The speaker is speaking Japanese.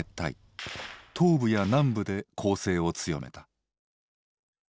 東部や南部で攻勢を強めた。